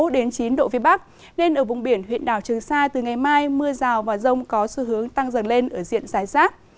đến chín độ vĩ bắc nên ở vùng biển huyện đảo trường sa từ ngày mai mưa rào và rông có xu hướng tăng dần lên ở diện giải rác